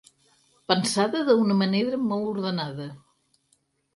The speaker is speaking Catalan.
Pensada d'una manera molt ordenada.